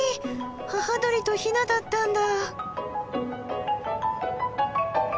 母鳥と雛だったんだ。